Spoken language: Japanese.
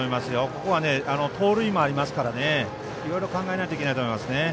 ここは、盗塁もありますのでいろいろ考えないといけないです。